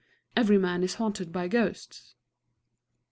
Every man is haunted by ghosts.